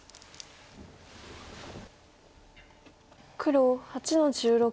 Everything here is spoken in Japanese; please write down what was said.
黒８の十六。